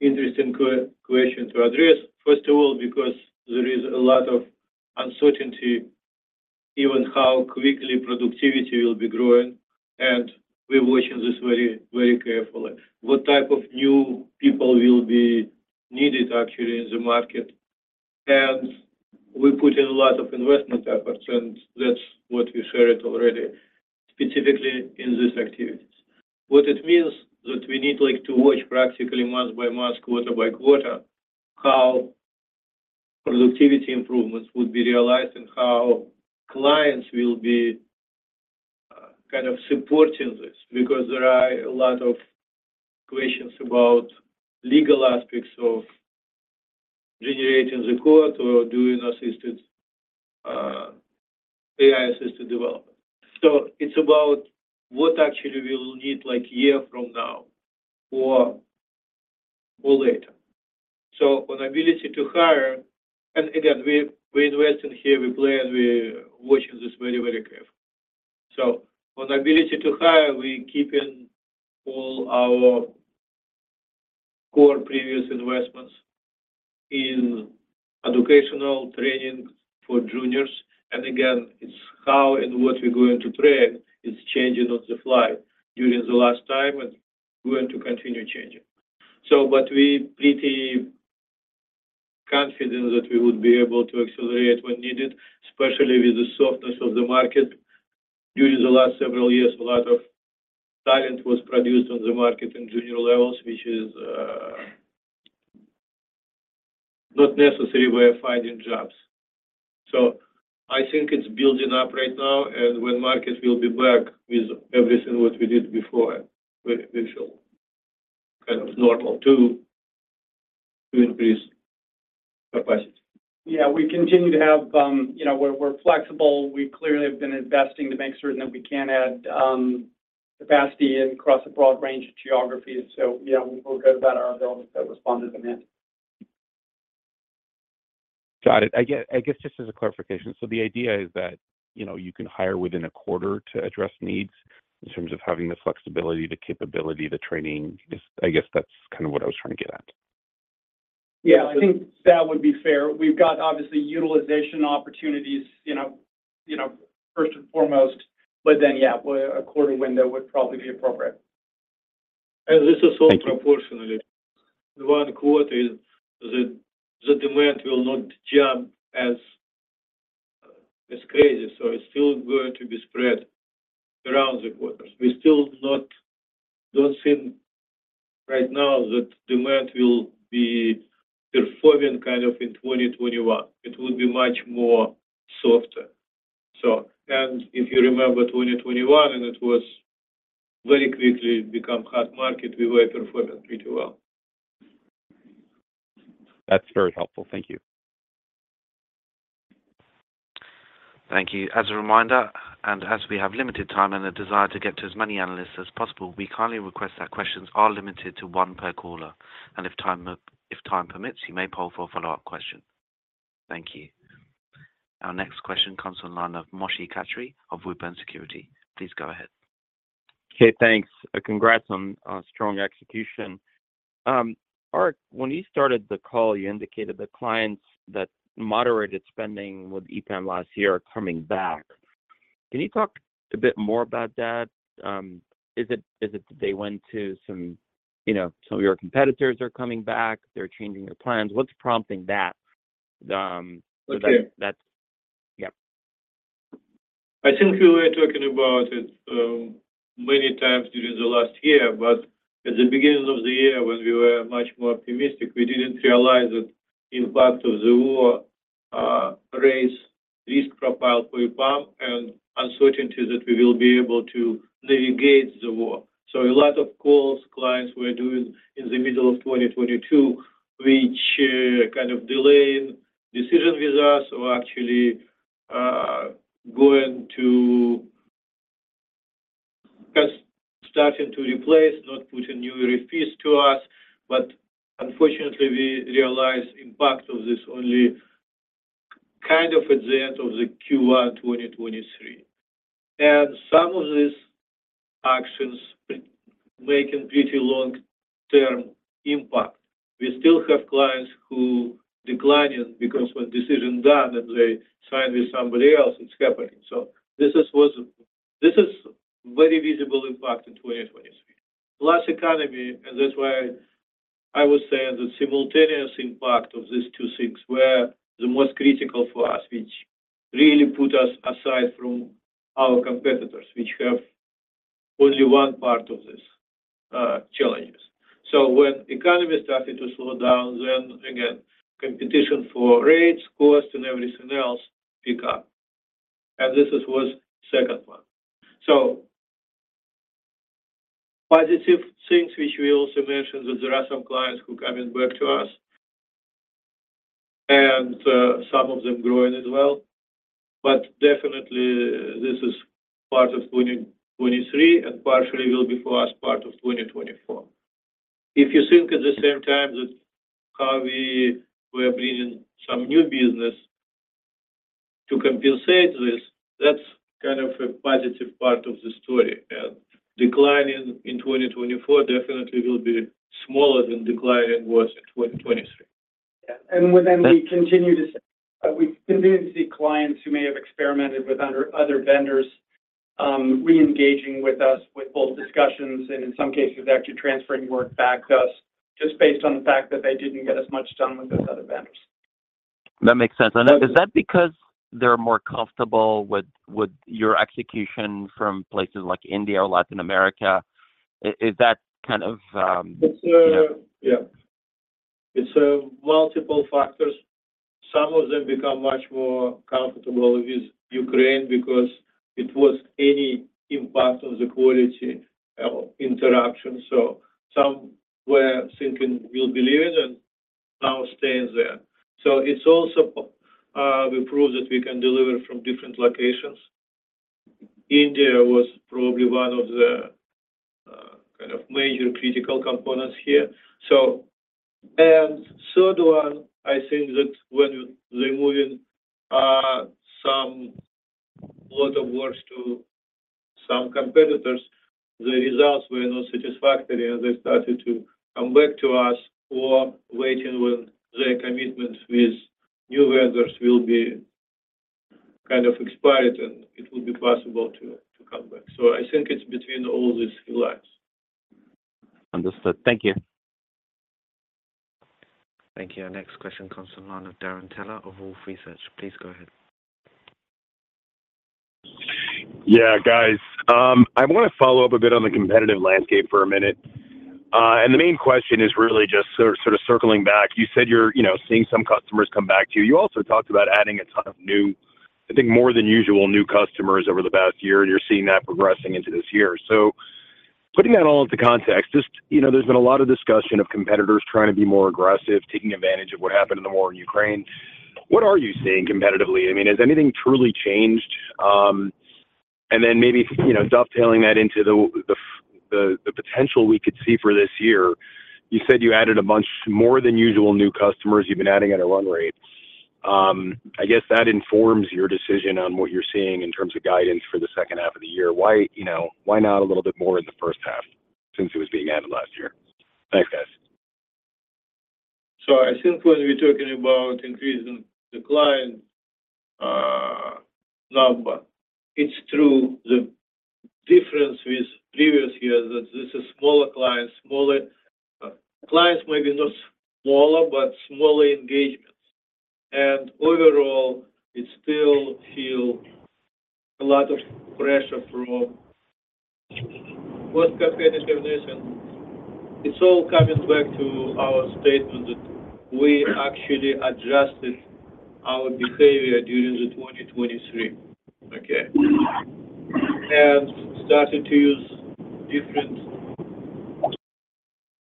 interesting question to address. First of all, because there is a lot of uncertainty, even how quickly productivity will be growing, and we're watching this very, very carefully. What type of new people will be needed actually in the market? We put in a lot of investment efforts, and that's what we shared already, specifically in these activities. What it means that we need, like, to watch practically month by month, quarter by quarter, how productivity improvements would be realized and how clients will be kind of supporting this. Because there are a lot of questions about legal aspects of generating the code or doing assisted AI-assisted development. It's about what actually we will need, like, year from now or later. On ability to hire, and again, we invest in here, we plan, we're watching this very, very carefully. On ability to hire, we keeping all our core previous investments in educational training for juniors. And again, it's how and what we're going to train is changing on the fly during the last time, and we're going to continue changing. But we pretty confident that we would be able to accelerate when needed, especially with the softness of the market. During the last several years, a lot of talent was produced on the market in junior levels, which is not necessary way of finding jobs. I think it's building up right now, and when market will be back with everything what we did before, it will show kind of normal to increase. More questions? Yeah, we continue to have, you know, we're flexible. We clearly have been investing to make certain that we can add capacity and across a broad range of geographies. So, yeah, we're good about our ability to respond to demand. Got it. I get—I guess just as a clarification, so the idea is that, you know, you can hire within a quarter to address needs in terms of having the flexibility, the capability, the training. I guess that's kind of what I was trying to get at. Yeah, I think that would be fair. We've got obviously utilization opportunities, you know, you know, first and foremost, but then, yeah, a quarter window would probably be appropriate. This is all- Thank you. proportionally. One quarter is, the demand will not jump as crazy, so it's still going to be spread around the quarters. We still don't think right now that demand will be performing kind of in 2021. It will be much more softer. So... And if you remember 2021, and it was very quickly become hot market, we were performing pretty well. That's very helpful. Thank you. Thank you. As a reminder, and as we have limited time and a desire to get to as many analysts as possible, we kindly request that questions are limited to one per caller. If time, if time permits, you may poll for a follow-up question. Thank you. Our next question comes from the line of Moshe Katri of Wedbush Securities. Please go ahead. Okay, thanks, and congrats on, on strong execution. Ark, when you started the call, you indicated that clients that moderated spending with EPAM last year are coming back. Can you talk a bit more about that? Is it, is it that they went to some, you know, some of your competitors are coming back, they're changing their plans? What's prompting that? So that- Okay. Yeah. I think we were talking about it, many times during the last year, but at the beginning of the year, when we were much more optimistic, we didn't realize that impact of the war, raise risk profile for EPAM and uncertainty that we will be able to navigate the war. So a lot of calls clients were doing in the middle of 2022, which, kind of delaying decisions with us or actually, going to just starting to replace, not put a new RFP to us. But unfortunately, we realized impact of this only kind of at the end of the Q1 2023. And some of these actions making pretty long-term impact. We still have clients who declining because when decision done, and they sign with somebody else, it's happening. So this is what. This is very visible impact in 2023. Plus, economy, and that's why I would say the simultaneous impact of these two things were the most critical for us, which really put us aside from our competitors, which have only one part of this, challenges. So when economy started to slow down, then again, competition for rates, cost, and everything else pick up, and this is was second one. So positive things, which we also mentioned, that there are some clients who coming back to us, and, some of them growing as well, but definitely, this is part of 2023 and partially will be for us, part of 2024. If you think at the same time that how we were bringing some new business to compensate this, that's kind of a positive part of the story. And declining in 2024 definitely will be smaller than declining was in 2023. Yeah, and well then we continue to see, we continue to see clients who may have experimented with other, other vendors, reengaging with us with both discussions and in some cases, actually transferring work back to us just based on the fact that they didn't get as much done with those other vendors.... That makes sense. Is that because they're more comfortable with your execution from places like India or Latin America? Is that kind of- It's, yeah, it's multiple factors. Some of them become much more comfortable with Ukraine because it was any impact on the quality or interruption. So some were thinking we'll believe it and now staying there. So it's also, we proved that we can deliver from different locations. India was probably one of the kind of major critical components here. So, and third one, I think that when they moving some lot of works to some competitors, the results were not satisfactory, and they started to come back to us or waiting when their commitments with new vendors will be kind of expired, and it will be possible to come back. So I think it's between all these three lines. Understood. Thank you. Thank you. Our next question comes from the line of Darrin Peller of Wolfe Research. Please go ahead. Yeah, guys, I wanna follow up a bit on the competitive landscape for a minute. And the main question is really just sort of, sort of circling back. You said you're, you know, seeing some customers come back to you. You also talked about adding a ton of new, I think, more than usual, new customers over the past year, and you're seeing that progressing into this year. So putting that all into context, just, you know, there's been a lot of discussion of competitors trying to be more aggressive, taking advantage of what happened in the war in Ukraine. What are you seeing competitively? I mean, has anything truly changed? And then maybe, you know, dovetailing that into the potential we could see for this year. You said you added a bunch more than usual new customers you've been adding at a run rate. I guess that informs your decision on what you're seeing in terms of guidance for the second half of the year. Why, you know, why not a little bit more in the first half since it was being added last year? Thanks, guys. So I think when we're talking about increasing the client number, it's true, the difference with previous years, that this is smaller clients, smaller clients, maybe not smaller, but smaller engagements. And overall, it still feel a lot of pressure from what competitors are doing, and it's all coming back to our statement that we actually adjusted our behavior during the 2023, okay? And started to use different,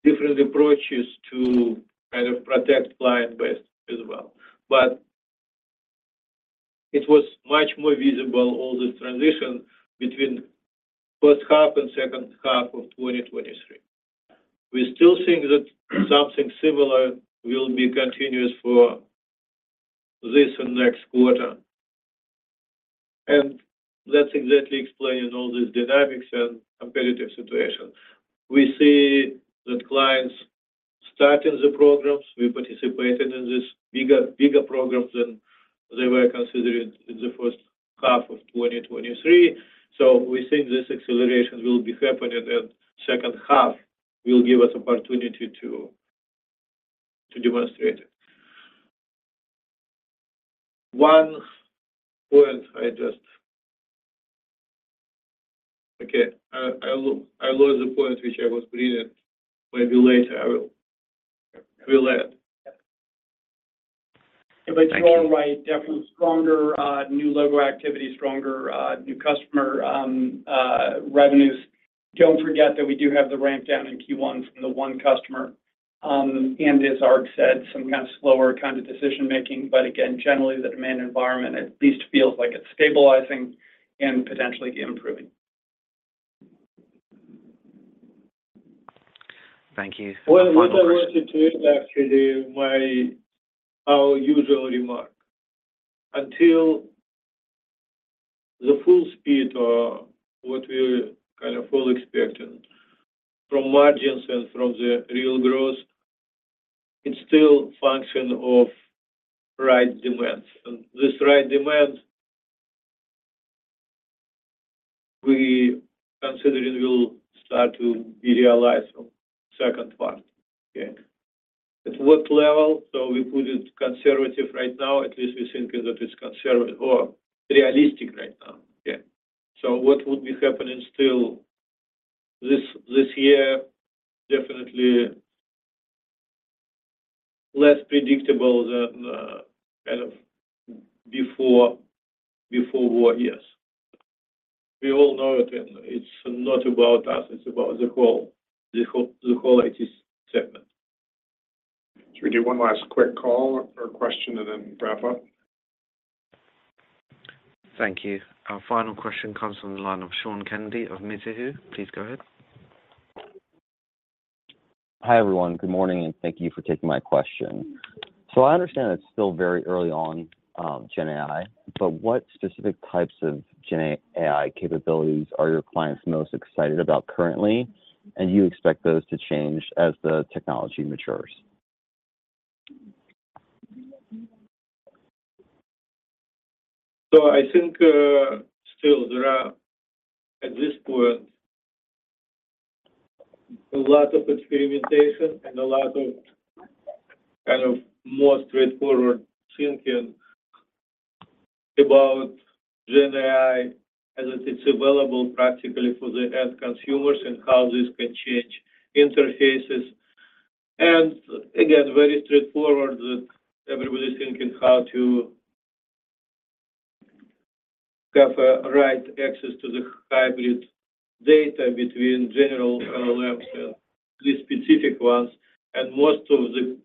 different approaches to kind of protect client base as well. But it was much more visible, all the transition between first half and second half of 2023. We still think that something similar will be continuous for this and next quarter, and that's exactly explaining all these dynamics and competitive situation. We see that clients starting the programs, we participated in this bigger, bigger programs than they were considering in the first half of 2023. So we think this acceleration will be happening, and second half will give us opportunity to demonstrate it. One point I just... Okay, I lost the point, which I was reading. Maybe later I will add. Thank you. But you are right, definitely stronger new logo activity, stronger new customer revenues. Don't forget that we do have the ramp down in Q1 from the one customer. And as Ark said, some kind of slower kind of decision making, but again, generally, the demand environment at least feels like it's stabilizing and potentially improving. Thank you. Well, what I wanted to add, actually, my, our usual remark. Until the full speed or what we're kind of all expecting from margins and from the real growth, it's still function of right demand. And this right demand, we considering will start to be realized from second part. Yeah. At what level? So we put it conservative right now, at least we think that it's conservative or realistic right now. Yeah. So what would be happening still this, this year? Definitely less predictable than, kind of before, before war years. We all know it, and it's not about us, it's about the whole, the whole, the whole IT segment. Should we do one last quick call or question and then wrap up? Thank you. Our final question comes from the line of Sean Kennedy of Mizuho. Please go ahead. Hi, everyone. Good morning, and thank you for taking my question. So I understand it's still very early on, GenAI, but what specific types of GenAI capabilities are your clients most excited about currently? And do you expect those to change as the technology matures? So I think still there are, at this point, a lot of experimentation and a lot of, kind of, more straightforward thinking about GenAI as it's available practically for the end consumers, and how this can change interfaces. And again, very straightforward that everybody's thinking how to have a right access to the hybrid data between general LLMs and the specific ones. And most of the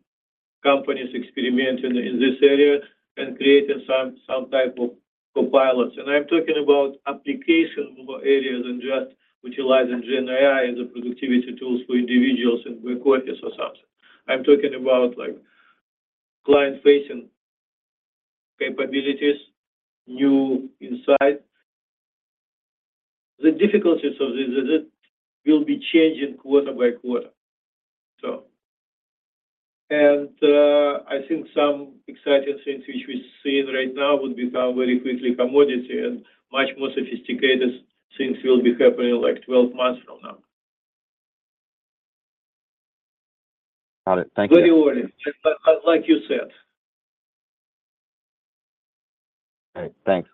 companies experimenting in this area and creating some type of copilots. And I'm talking about application areas and just utilizing GenAI as a productivity tools for individuals and workers or something. I'm talking about, like, client-facing capabilities, new insight. The difficulties of this is it will be changing quarter by quarter, so. And I think some exciting things which we're seeing right now would become very quickly commodity, and much more sophisticated things will be happening, like, 12 months from now. Got it. Thank you. Very early, just like, like you said. All right, thanks.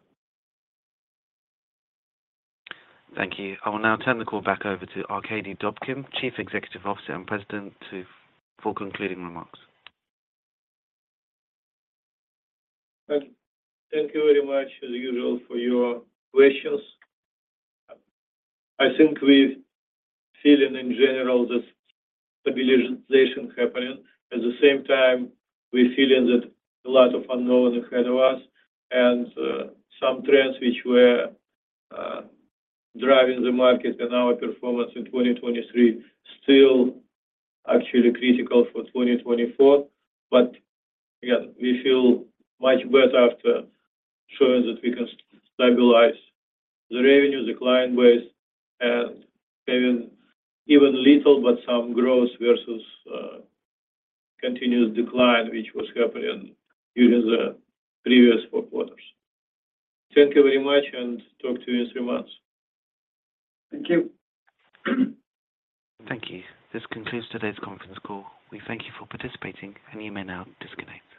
Thank you. I will now turn the call back over to Arkadiy Dobkin, Chief Executive Officer and President, for concluding remarks. Thank you very much, as usual, for your questions. I think we're feeling in general this stabilization happening. At the same time, we're feeling that a lot of unknown ahead of us and some trends which were driving the market and our performance in 2023 still actually critical for 2024. But again, we feel much better after showing that we can stabilize the revenue, the client base, and even, even little, but some growth versus continuous decline, which was happening during the previous four quarters. Thank you very much, and talk to you in three months. Thank you. Thank you. This concludes today's conference call. We thank you for participating, and you may now disconnect.